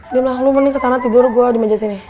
diam lah lo mending kesana tidur gue di meja sini